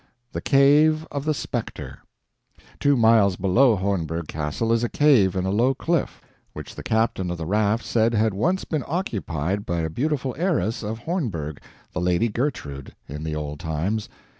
THE CAVE OF THE SPECTER Two miles below Hornberg castle is a cave in a low cliff, which the captain of the raft said had once been occupied by a beautiful heiress of Hornberg the Lady Gertrude in the old times.